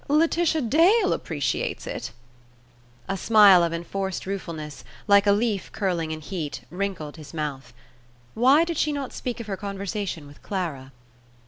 "Laetitia Dale appreciates it." A smile of enforced ruefulness, like a leaf curling in heat, wrinkled his mouth. Why did she not speak of her conversation with Clara?